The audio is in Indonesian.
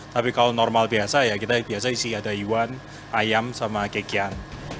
tapi kalau normal biasa ya kita biasa isi ada iwan ayam sama kekian